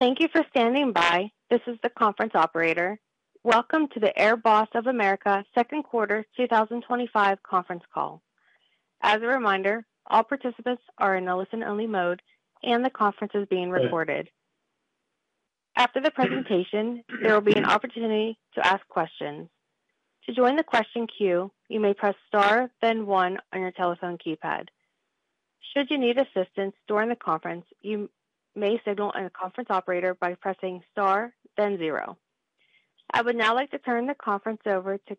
Thank you for standing by. This is the conference operator. Welcome to the AirBoss of America second quarter 2025 conference call. As a reminder, all participants are in a listen-only mode, and the conference is being recorded. After the presentation, there will be an opportunity to ask questions. To join the question queue, you may press star, then one on your telephone keypad. Should you need assistance during the conference, you may signal a conference operator by pressing star, then zero. I would now like to turn the conference over to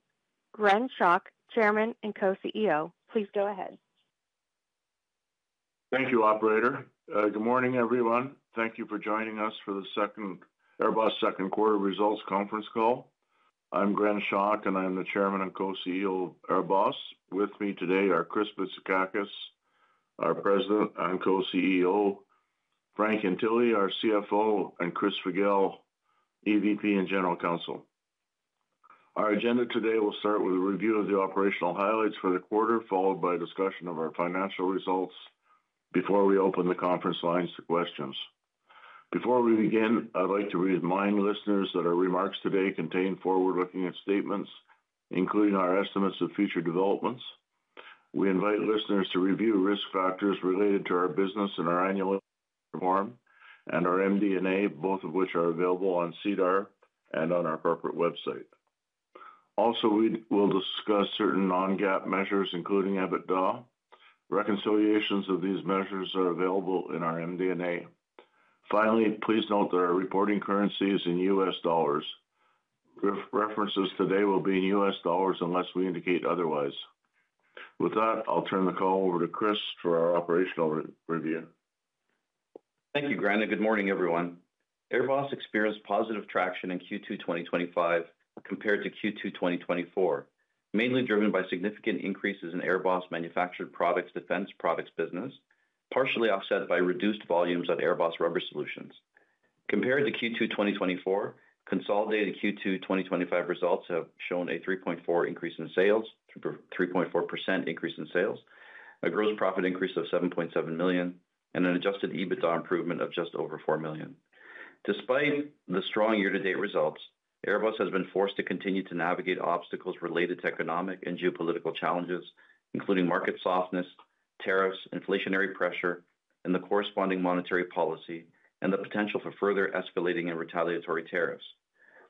Gren Schoch, Chairman and Co-CEO. Please go ahead. Thank you, Operator. Good morning, everyone. Thank you for joining us for the AirBoss second quarter results conference call. I'm Gren Schoch, and I am the Chairman and Co-CEO of AirBoss of America. With me today are Chris Bitsakakis, our President and Co-CEO; Frank Lentile, our CFO; and Chris Figel, EVP and General Counsel. Our agenda today will start with a review of the operational highlights for the quarter, followed by a discussion of our financial results before we open the conference lines to questions. Before we begin, I'd like to remind listeners that our remarks today contain forward-looking statements, including our estimates of future developments. We invite listeners to review risk factors related to our business and our annual performance and our MD&A, both of which are available on SEDAR and on our corporate website. Also, we will discuss certain non-GAAP measures, including EBITDA. Reconciliations of these measures are available in our MD&A. Finally, please note that our reporting currency is in US dollars. References today will be in US dollars unless we indicate otherwise. With that, I'll turn the call over to Chris for our operational review. Thank you, Gren. Good morning, everyone. AirBoss experienced positive traction in Q2 2025 compared to Q2 2024, mainly driven by significant increases in AirBoss Manufactured Products Defense Products business, partially offset by reduced volumes at AirBoss Rubber Solutions. Compared to Q2 2024, consolidated Q2 2025 results have shown a 3.4% increase in sales, a 3.4% increase in sales, a gross profit increase of $7.7 million, and an adjusted EBITDA improvement of just over $4 million. Despite the strong year-to-date results, AirBoss has been forced to continue to navigate obstacles related to economic and geopolitical challenges, including market softness, tariffs, inflationary pressure, and the corresponding monetary policy, and the potential for further escalating and retaliatory tariffs.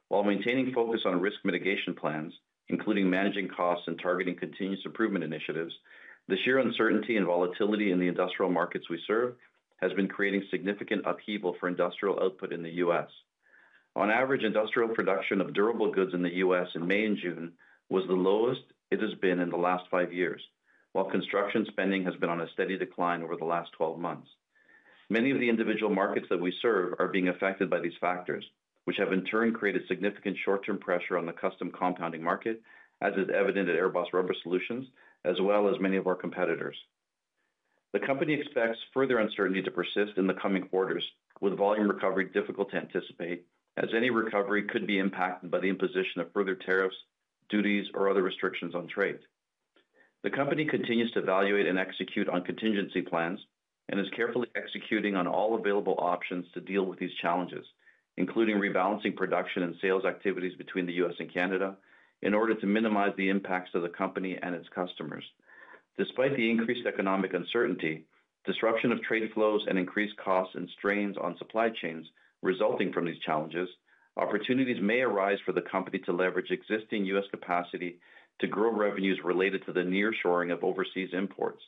While maintaining focus on risk mitigation plans, including managing costs and targeting continuous improvement initiatives, the sheer uncertainty and volatility in the industrial markets we serve have been creating significant upheaval for industrial output in the U.S. On average, industrial production of durable goods in the U.S. in May and June was the lowest it has been in the last five years, while construction spending has been on a steady decline over the last 12 months. Many of the individual markets that we serve are being affected by these factors, which have in turn created significant short-term pressure on the custom compounding market, as is evident at AirBoss Rubber Solutions, as well as many of our competitors. The company expects further uncertainty to persist in the coming quarters, with volume recovery difficult to anticipate, as any recovery could be impacted by the imposition of further tariffs, duties, or other restrictions on trade. The company continues to evaluate and execute on contingency plans and is carefully executing on all available options to deal with these challenges, including rebalancing production and sales activities between the U.S. and Canada in order to minimize the impacts to the company and its customers. Despite the increased economic uncertainty, disruption of trade flows, and increased costs and strains on supply chains resulting from these challenges, opportunities may arise for the company to leverage existing U.S. capacity to grow revenues related to the nearshoring of overseas imports.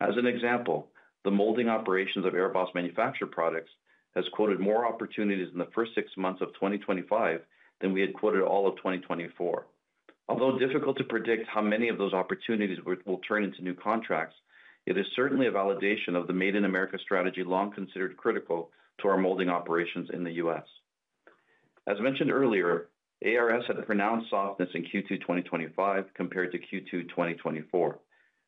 As an example, the molding operations of AirBoss Manufactured Products have quoted more opportunities in the first six months of 2025 than we had quoted all of 2024. Although difficult to predict how many of those opportunities will turn into new contracts, it is certainly a validation of the Made in America strategy long considered critical to our molding operations in the U.S. As mentioned earlier, ARS had pronounced softness in Q2 2025 compared to Q2 2024.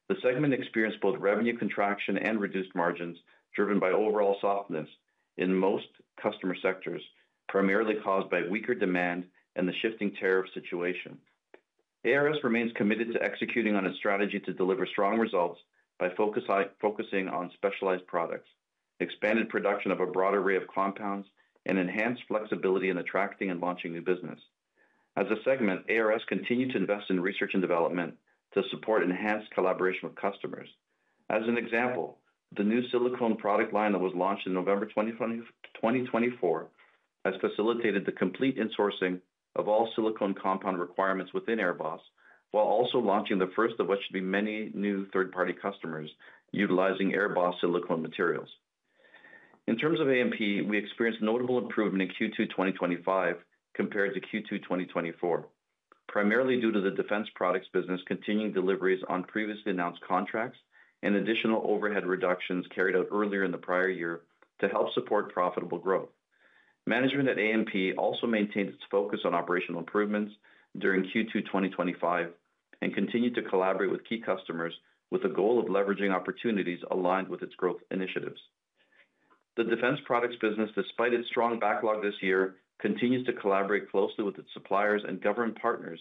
The segment experienced both revenue contraction and reduced margins, driven by overall softness in most customer sectors, primarily caused by weaker demand and the shifting tariff situation. ARS remains committed to executing on its strategy to deliver strong results by focusing on specialized products, expanded production of a broad array of compounds, and enhanced flexibility in attracting and launching new business. As a segment, ARS continued to invest in research and development to support enhanced collaboration with customers. As an example, the new silicone compounds line that was launched in November 2024 has facilitated the complete insourcing of all silicone compound requirements within AirBoss, while also launching the first of what should be many new third-party customers utilizing AirBoss silicone materials. In terms of AMP, we experienced notable improvement in Q2 2025 compared to Q2 2024, primarily due to the defense products business continuing deliveries on previously announced contracts and additional overhead reductions carried out earlier in the prior year to help support profitable growth. Management at AMP also maintained its focus on operational improvements during Q2 2025 and continued to collaborate with key customers with the goal of leveraging opportunities aligned with its growth initiatives. The defense products business, despite its strong defense backlog this year, continues to collaborate closely with its suppliers and government partners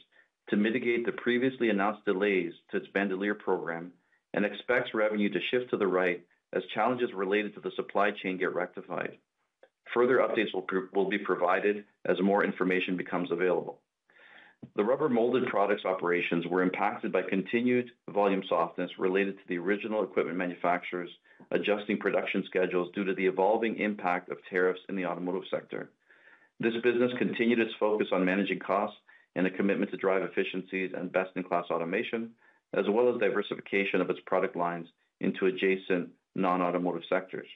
to mitigate the previously announced delays to its bandolier program and expects revenue to shift to the right as challenges related to the supply chain get rectified. Further updates will be provided as more information becomes available. The rubber molded products operations were impacted by continued volume softness related to the original equipment manufacturers adjusting production schedules due to the evolving impact of tariffs in the automotive sector. This business continued its focus on managing costs and a commitment to drive efficiencies and best-in-class automation, as well as diversification of its product lines into adjacent non-automotive sectors.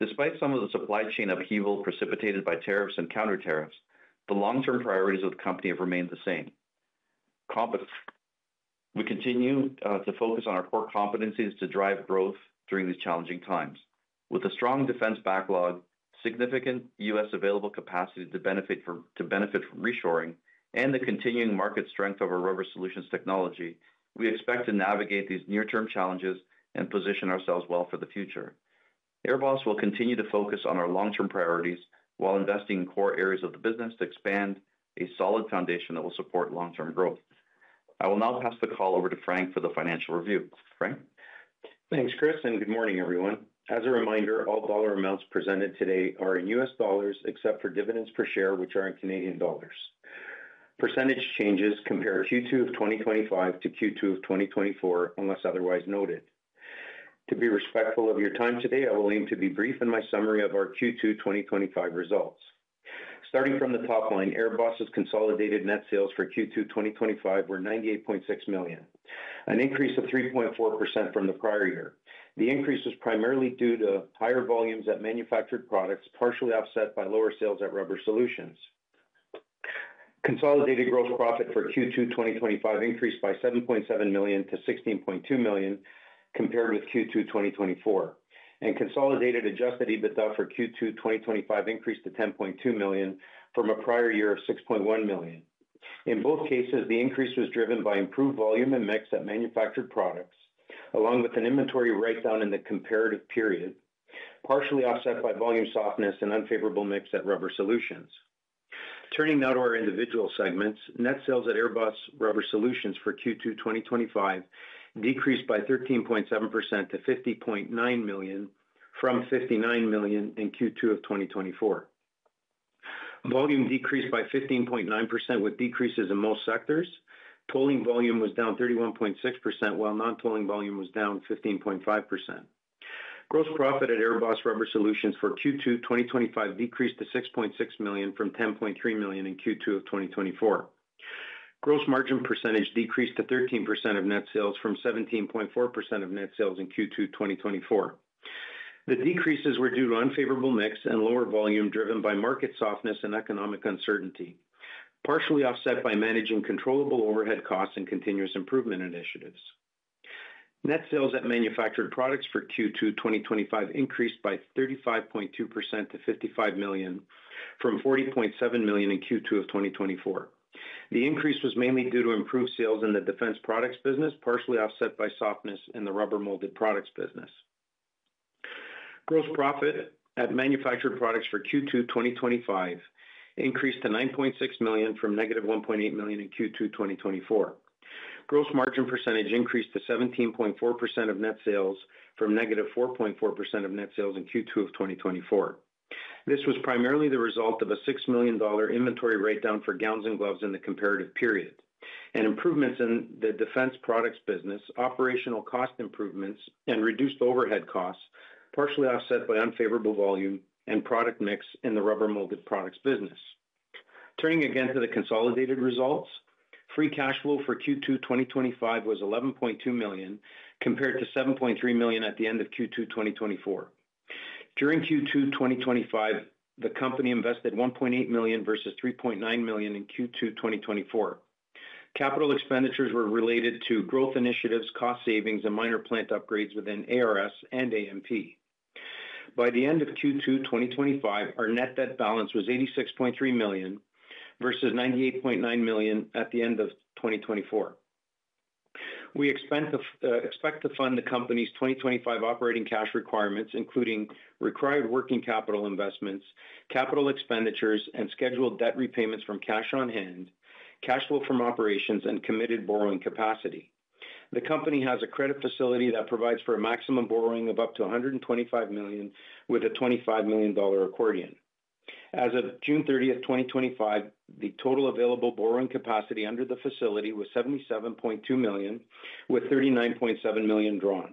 Despite some of the supply chain upheaval precipitated by tariffs and counter tariffs, the long-term priorities of the company have remained the same. We continue to focus on our core competencies to drive growth during these challenging times. With a strong defense backlog, significant U.S. available capacity to benefit from reshoring, and the continuing market strength of our rubber solutions technology, we expect to navigate these near-term challenges and position ourselves well for the future. AirBoss will continue to focus on our long-term priorities while investing in core areas of the business to expand a solid foundation that will support long-term growth. I will now pass the call over to Frank for the financial review. Frank? Thanks, Chris, and good morning, everyone. As a reminder, all dollar amounts presented today are in U.S. dollars, except for dividends per share, which are in Canadian dollars. Percentage changes compare Q2 2025 to Q2 2024, unless otherwise noted. To be respectful of your time today, I will aim to be brief in my summary of our Q2 2025 results. Starting from the top line, AirBoss has consolidated net sales for Q2 2025 were $98.6 million, an increase of 3.4% from the prior year. The increase was primarily due to higher volumes at Manufactured Products, partially offset by lower sales at Rubber Solutions. Consolidated gross profit for Q2 2025 increased by $7.7 million to $16.2 million compared with Q2 2024, and consolidated adjusted EBITDA for Q2 2025 increased to $10.2 million from a prior year of $6.1 million. In both cases, the increase was driven by improved volume and mix at Manufactured Products, along with an inventory write-down in the comparative period, partially offset by volume softness and unfavorable mix at Rubber Solutions. Turning now to our individual segments, net sales at AirBoss Rubber Solutions for Q2 2025 decreased by 13.7% to $50.9 million from $59 million in Q2 2024. Volume decreased by 15.9% with decreases in most sectors. Pulling volume was down 31.6%, while non-pulling volume was down 15.5%. Gross profit at AirBoss Rubber Solutions for Q2 2025 decreased to $6.6 million from $10.3 million in Q2 2024. Gross margin percentage decreased to 13% of net sales from 17.4% of net sales in Q2 2024. The decreases were due to unfavorable mix and lower volume driven by market softness and economic uncertainty, partially offset by managing controllable overhead costs and continuous improvement initiatives. Net sales at Manufactured Products for Q2 2025 increased by 35.2% to $55 million from $40.7 million in Q2 2024. The increase was mainly due to improved sales in the defense products business, partially offset by softness in the rubber molded products business. Gross profit at Manufactured Products for Q2 2025 increased to $9.6 million from negative $1.8 million in Q2 2024. Gross margin percentage increased to 17.4% of net sales from negative 4.4% of net sales in Q2 2024. This was primarily the result of a $6 million inventory write-down for gowns and gloves in the comparative period and improvements in the defense products business, operational cost improvements, and reduced overhead costs, partially offset by unfavorable volume and product mix in the rubber molded products business. Turning again to the consolidated results, free cash flow for Q2 2025 was $11.2 million compared to $7.3 million at the end of Q2 2024. During Q2 2025, the company invested $1.8 million versus $3.9 million in Q2 2024. Capital expenditures were related to growth initiatives, cost savings, and minor plant upgrades within ARS and AMP. By the end of Q2 2025, our net debt balance was $86.3 million versus $98.9 million at the end of 2024. We expect to fund the company's 2025 operating cash requirements, including required working capital investments, capital expenditures, and scheduled debt repayments from cash on hand, cash flow from operations, and committed borrowing capacity. The company has a credit facility that provides for a maximum borrowing of up to $125 million with a $25 million accordion. As of June 30, 2025, the total available borrowing capacity under the facility was $77.2 million, with $39.7 million drawn.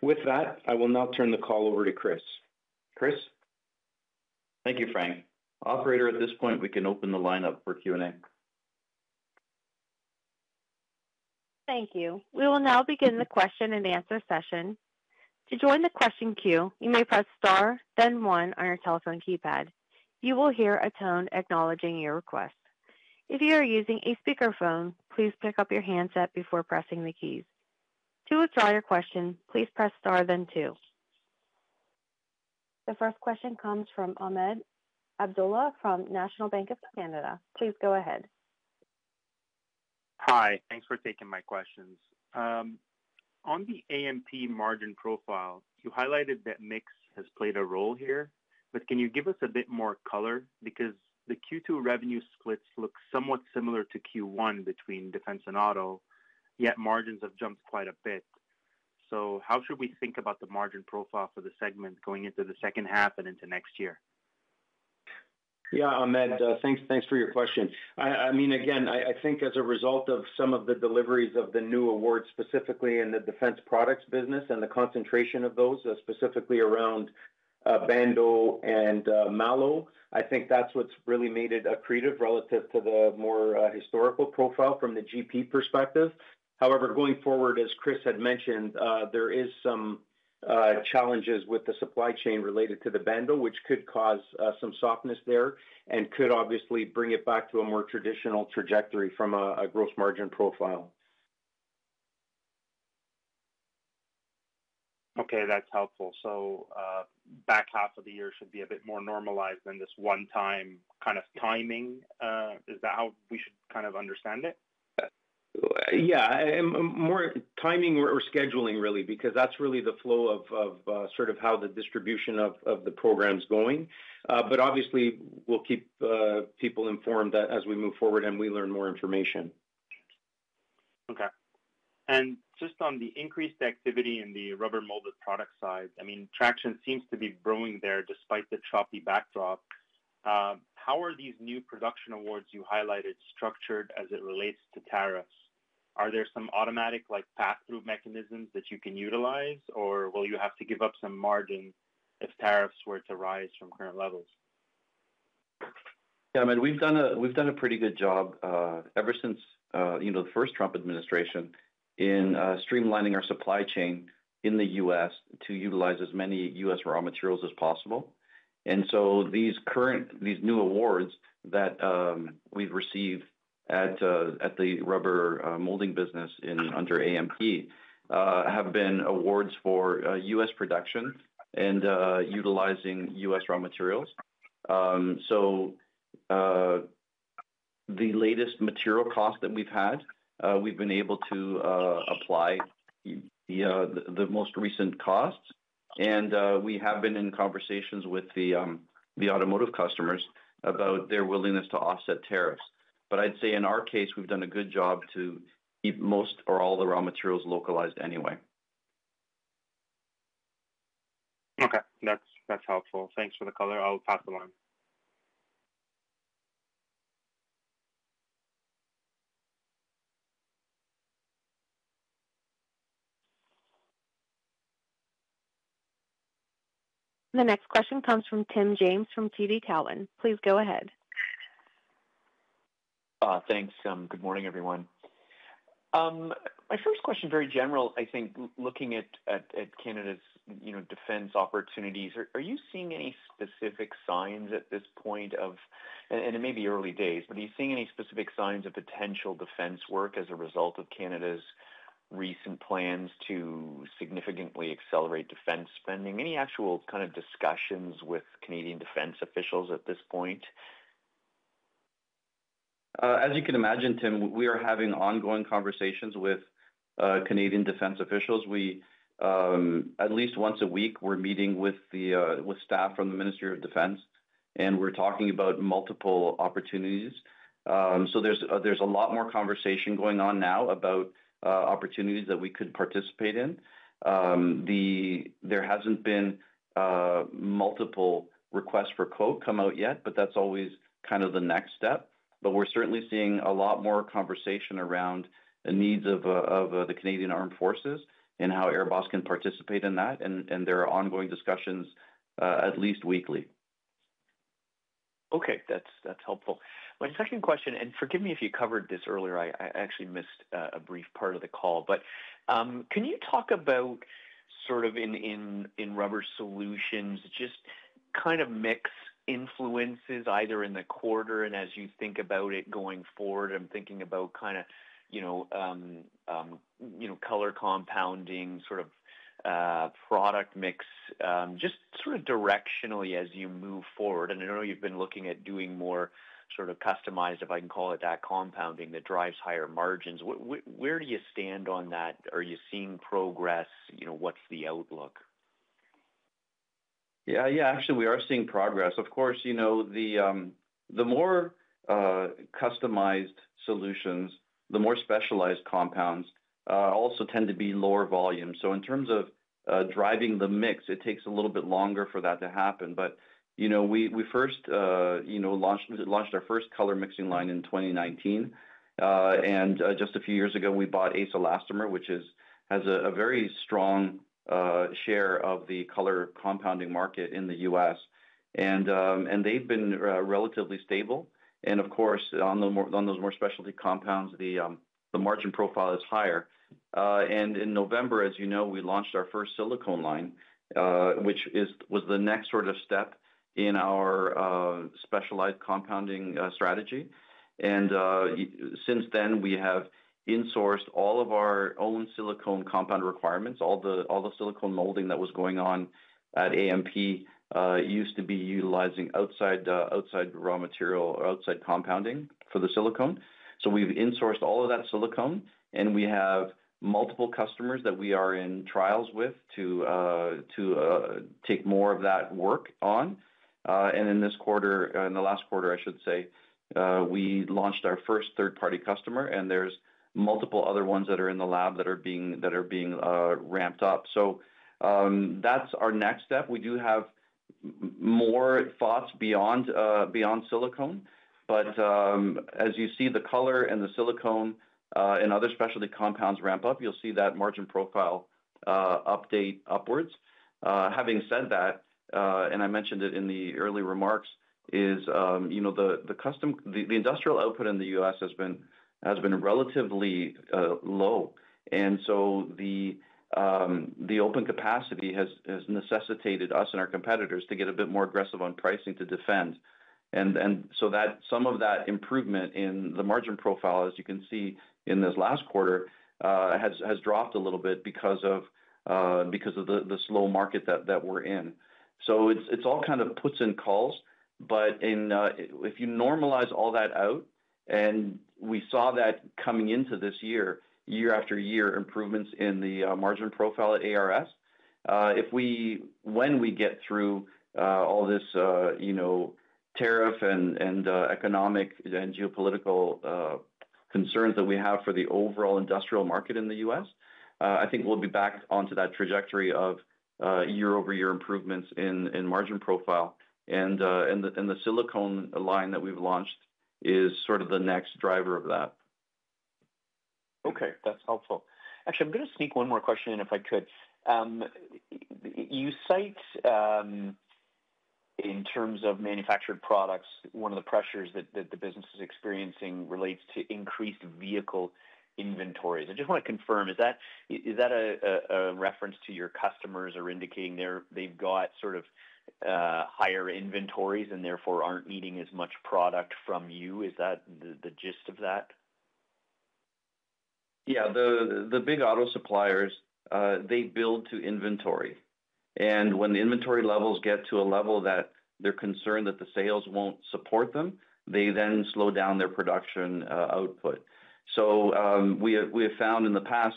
With that, I will now turn the call over to Chris. Chris? Thank you, Frank. Operator, at this point, we can open the line up for Q&A. Thank you. We will now begin the question and answer session. To join the question queue, you may press star, then one on your telephone keypad. You will hear a tone acknowledging your request. If you are using a speakerphone, please pick up your handset before pressing the keys. To withdraw your question, please press star, then two. The first question comes from Ahmed Abdullah from National Bank Financial. Please go ahead. Hi, thanks for taking my questions. On the AMP margin profile, you highlighted that mix has played a role here, but can you give us a bit more color? The Q2 revenue splits look somewhat similar to Q1 between defense and auto, yet margins have jumped quite a bit. How should we think about the margin profile for the segment going into the second half and into next year? Yeah, Ahmed, thanks for your question. I mean, again, I think as a result of some of the deliveries of the new awards, specifically in the defense products business and the concentration of those, specifically around bandolier and Malo, I think that's what's really made it accretive relative to the more historical profile from the GP perspective. However, going forward, as Chris had mentioned, there are some challenges with the supply chain related to the bandolier, which could cause some softness there and could obviously bring it back to a more traditional trajectory from a gross margin profile. Okay, that's helpful. The back half of the year should be a bit more normalized than this one-time kind of timing. Is that how we should kind of understand it? Yeah, more timing or scheduling, really, because that's really the flow of how the distribution of the program is going. Obviously, we'll keep people informed as we move forward and we learn more information. Okay. Just on the increased activity in the rubber molded product side, traction seems to be brewing there despite the choppy backdrop. How are these new production awards you highlighted structured as it relates to tariffs? Are there some automatic pass-through mechanisms that you can utilize, or will you have to give up some margin if tariffs were to rise from current levels? Yeah. We've done a pretty good job ever since the first Trump administration in streamlining our supply chain in the U.S. to utilize as many U.S. raw materials as possible. These current, these new awards that we've received at the rubber molding business under AMP have been awards for U.S. production and utilizing U.S. raw materials. The latest material cost that we've had, we've been able to apply the most recent costs. We have been in conversations with the automotive customers about their willingness to offset tariffs. I'd say in our case, we've done a good job to keep most or all the raw materials localized anyway. Okay, that's helpful. Thanks for the color [call]. I'll pass the line. The next question comes from Tim James from TD Cowen. Please go ahead. Thanks. Good morning, everyone. My first question, very general, I think looking at Canada's defense opportunities, are you seeing any specific signs at this point of, it may be early days, but are you seeing any specific signs of potential defense work as a result of Canada's recent plans to significantly accelerate defense spending? Any actual kind of discussions with Canadian defense officials at this point? As you can imagine, Tim, we are having ongoing conversations with Canadian defense officials. At least once a week, we're meeting with staff from the Ministry of Defense, and we're talking about multiple opportunities. There is a lot more conversation going on now about opportunities that we could participate in. There haven't been multiple requests for quote come out yet, that's always kind of the next step. We're certainly seeing a lot more conversation around the needs of the Canadian Armed Forces and how AirBoss can participate in that, and there are ongoing discussions at least weekly. Okay, that's helpful. My second question, and forgive me if you covered this earlier, I actually missed a brief part of the call, but can you talk about sort of in rubber solutions, just kind of mix influences either in the quarter and as you think about it going forward? I'm thinking about kind of, you know, color compounding, sort of product mix, just sort of directionally as you move forward. I know you've been looking at doing more sort of customized, if I can call it that, compounding that drives higher margins. Where do you stand on that? Are you seeing progress? What's the outlook? Yeah, actually we are seeing progress. Of course, the more customized solutions, the more specialized compounds also tend to be lower volume. In terms of driving the mix, it takes a little bit longer for that to happen. We first launched our first color mixing line in 2019. Just a few years ago, we bought Ace Elastomer, which has a very strong share of the color compounding market in the U.S., and they've been relatively stable. On those more specialty compounds, the margin profile is higher. In November, as you know, we launched our first silicone compounds line, which was the next sort of step in our specialized compounding strategy. Since then, we have insourced all of our own silicone compound requirements. All the silicone molding that was going on at AMP used to be utilizing outside raw material or outside compounding for the silicone. We've insourced all of that silicone, and we have multiple customers that we are in trials with to take more of that work on. In this quarter, in the last quarter, I should say, we launched our first third-party customer, and there are multiple other ones that are in the lab that are being ramped up. That's our next step. We do have more thoughts beyond silicone. As you see the color and the silicone and other specialty compounds ramp up, you'll see that margin profile update upwards. Having said that, and I mentioned it in the early remarks, the custom, the industrial output in the U.S. has been relatively low. The open capacity has necessitated us and our competitors to get a bit more aggressive on pricing to defend. Some of that improvement in the margin profile, as you can see in this last quarter, has dropped a little bit because of the slow market that we're in. It's all kind of puts and calls. If you normalize all that out, and we saw that coming into this year, year after year, improvements in the margin profile at A, when we get through all this tariff and economic and geopolitical concerns that we have for the overall industrial market in the U.S., I think we'll be back onto that trajectory of year-over-year improvements in margin profile. The silicone compounds line that we've launched is sort of the next driver of that. Okay, that's helpful. Actually, I'm going to sneak one more question in if I could. You cite in terms of manufactured products one of the pressures that the business is experiencing relates to increased vehicle inventories. I just want to confirm, is that a reference to your customers or indicating they've got sort of higher inventories and therefore aren't needing as much product from you? Is that the gist of that? The big auto suppliers build to inventory. When the inventory levels get to a level that they're concerned that the sales won't support them, they then slow down their production output. We have found in the past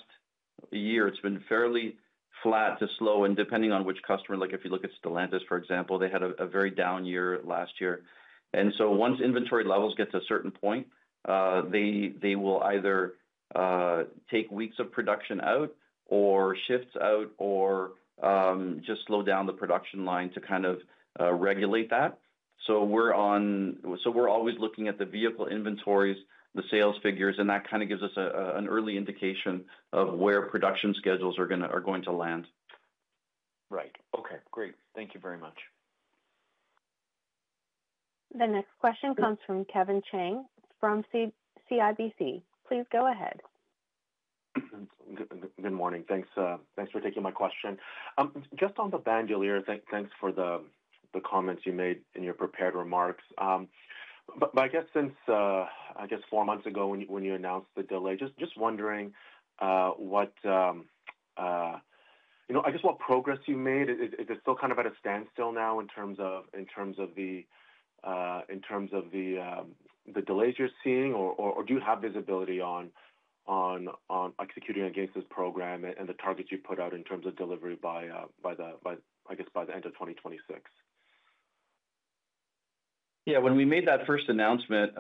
year it's been fairly flat to slow. Depending on which customer, like if you look at Stellantis, for example, they had a very down year last year. Once inventory levels get to a certain point, they will either take weeks of production out or shifts out or just slow down the production line to kind of regulate that. We're always looking at the vehicle inventories, the sales figures, and that kind of gives us an early indication of where production schedules are going to land. Right. Okay, great. Thank you very much. The next question comes from Kevin Chiang from CIBC. Please go ahead. Good morning. Thanks for taking my question. Just on the bandolier, thanks for the comments you made in your prepared remarks. Since four months ago when you announced the delay, just wondering what progress you made. Is it still kind of at a standstill now in terms of the delays you're seeing, or do you have visibility on executing against this program and the targets you've put out in terms of delivery by the end of 2026? Yeah, when we made that first announcement,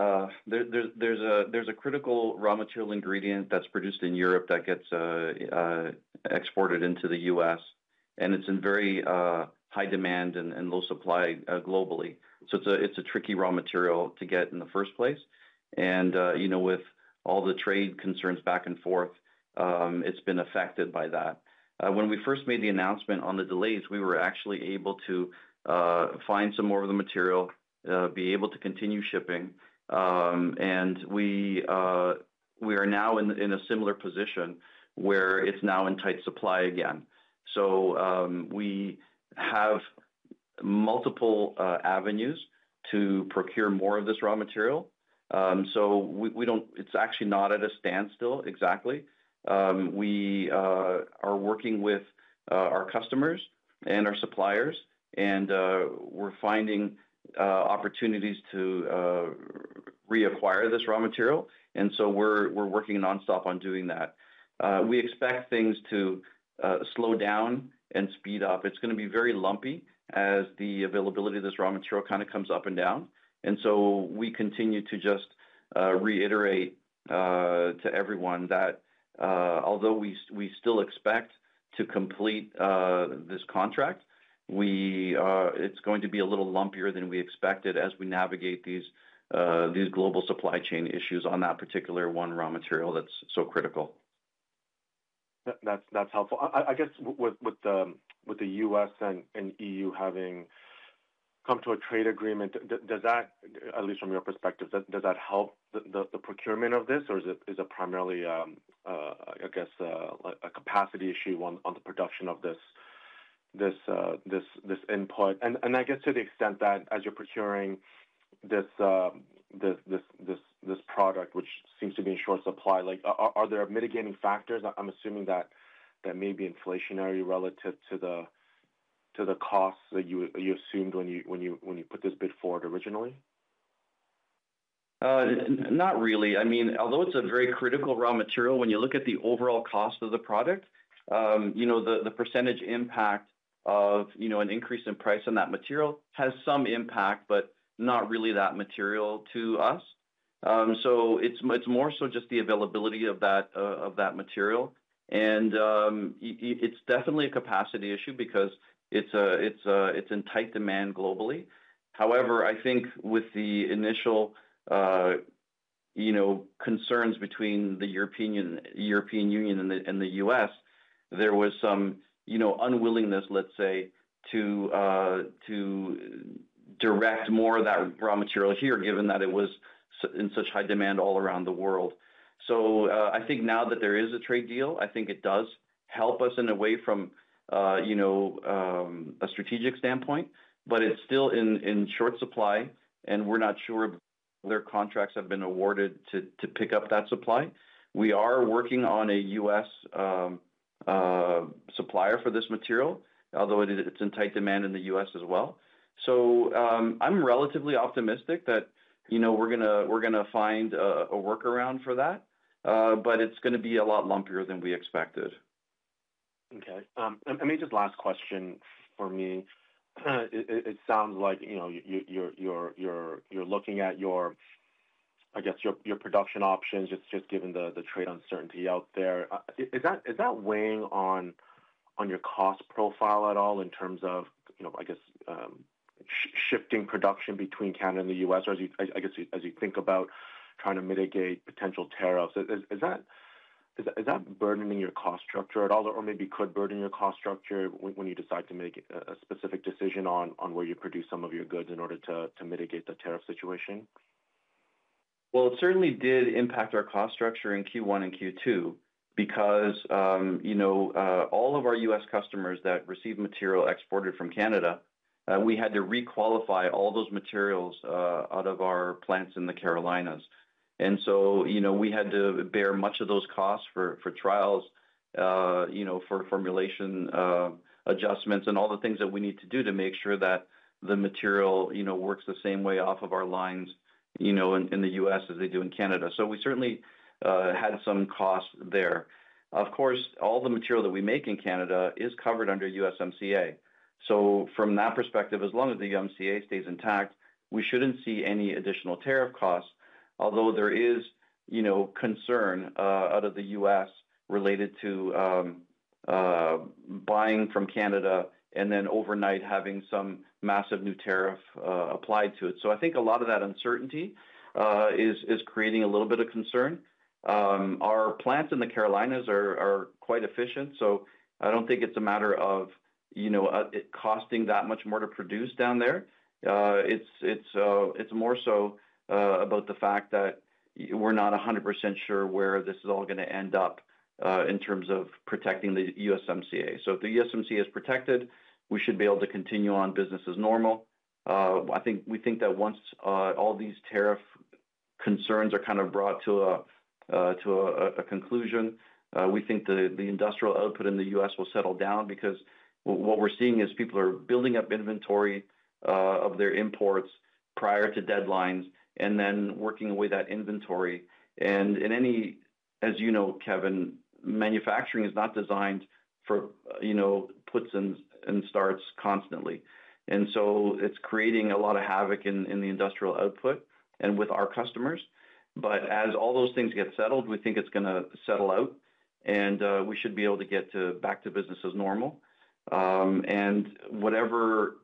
there's a critical raw material ingredient that's produced in Europe that gets exported into the U.S., and it's in very high demand and low supply globally. It's a tricky raw material to get in the first place. With all the trade concerns back and forth, it's been affected by that. When we first made the announcement on the delays, we were actually able to find some more of the material, be able to continue shipping, and we are now in a similar position where it's now in tight supply again. We have multiple avenues to procure more of this raw material. It's actually not at a standstill exactly. We are working with our customers and our suppliers, and we're finding opportunities to reacquire this raw material. We're working nonstop on doing that. We expect things to slow down and speed up. It's going to be very lumpy as the availability of this raw material kind of comes up and down. We continue to just reiterate to everyone that although we still expect to complete this contract, it's going to be a little lumpier than we expected as we navigate these global supply chain issues on that particular one raw material that's so critical. That's helpful. I guess with the U.S. and EU having come to a trade agreement, does that, at least from your perspective, help the procurement of this, or is it primarily a capacity issue on the production of this input? To the extent that as you're procuring this product, which seems to be in short supply, are there mitigating factors? I'm assuming that may be inflationary relative to the cost that you assumed when you put this bid forward originally. Not really. I mean, although it's a very critical raw material, when you look at the overall cost of the product, the % impact of an increase in price on that material has some impact, but not really that material to us. It's more so just the availability of that material. It's definitely a capacity issue because it's in tight demand globally. I think with the initial concerns between the European Union and the U.S., there was some unwillingness, let's say, to direct more of that raw material here, given that it was in such high demand all around the world. I think now that there is a trade deal, it does help us in a way from a strategic standpoint, but it's still in short supply, and we're not sure their contracts have been awarded to pick up that supply. We are working on a U.S. supplier for this material, although it's in tight demand in the U.S. as well. I'm relatively optimistic that we're going to find a workaround for that, but it's going to be a lot lumpier than we expected. Okay. Maybe just last question for me. It sounds like you're looking at your, I guess, your production options, just given the trade uncertainty out there. Is that weighing on your cost profile at all in terms of, you know, I guess, shifting production between Canada and the U.S., or as you, I guess, as you think about trying to mitigate potential tariffs, is that burdening your cost structure at all, or maybe could burden your cost structure when you decide to make a specific decision on where you produce some of your goods in order to mitigate the tariff situation? It certainly did impact our cost structure in Q1 and Q2 because, you know, all of our U.S. customers that receive material exported from Canada, we had to requalify all those materials out of our plants in the Carolinas. We had to bear much of those costs for trials, for formulation adjustments, and all the things that we need to do to make sure that the material works the same way off of our lines in the U.S. as they do in Canada. We certainly had some costs there. Of course, all the material that we make in Canada is covered under USMCA. From that perspective, as long as the USMCA stays intact, we shouldn't see any additional tariff costs, although there is concern out of the U.S. related to buying from Canada and then overnight having some massive new tariff applied to it. I think a lot of that uncertainty is creating a little bit of concern. Our plants in the Carolinas are quite efficient, so I don't think it's a matter of it costing that much more to produce down there. It's more so about the fact that we're not 100% sure where this is all going to end up in terms of protecting the USMCA. If the USMCA is protected, we should be able to continue on business as normal. I think we think that once all these tariff concerns are kind of brought to a conclusion, we think the industrial output in the U.S. will settle down because what we're seeing is people are building up inventory of their imports prior to deadlines and then working away that inventory. In any, as you know, Kevin, manufacturing is not designed for puts and starts constantly. It's creating a lot of havoc in the industrial output and with our customers. As all those things get settled, we think it's going to settle out and we should be able to get back to business as normal. Whatever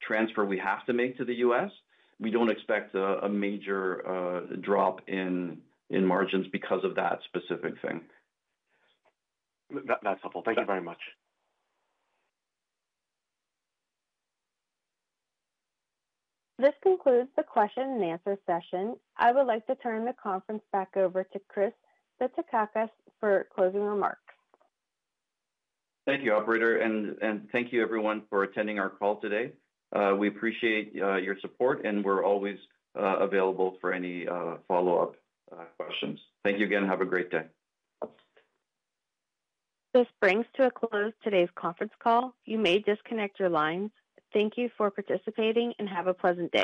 transfer we have to make to the U.S., we don't expect a major drop in margins because of that specific thing. That's helpful. Thank you very much. This concludes the question and answer session. I would like to turn the conference back over to Chris Bitsakakis for closing remarks. Thank you, Operator, and thank you, everyone, for attending our call today. We appreciate your support, and we're always available for any follow-up questions. Thank you again. Have a great day. This brings to a close today's conference call. You may disconnect your lines. Thank you for participating and have a pleasant day.